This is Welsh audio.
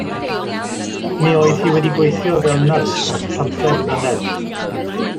Mi oedd hi wedi gweithio fel nyrs ers pymtheg mlynedd.